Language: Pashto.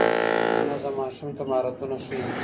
نظم ماشوم ته مهارتونه ښيي.